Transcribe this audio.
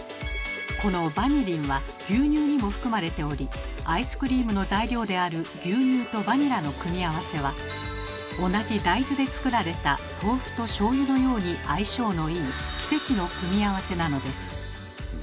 このバニリンは牛乳にも含まれておりアイスクリームの材料である牛乳とバニラの組み合わせは同じ大豆で作られた豆腐としょうゆのように相性のいい奇跡の組み合わせなのです。